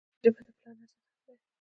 ژبه د پلار نصیحت هم دی